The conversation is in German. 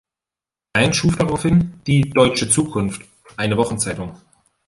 Klein schuf daraufhin die "Deutsche Zukunft", eine Wochenzeitung.